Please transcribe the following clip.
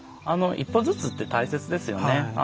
一歩ずつって大切ですよね。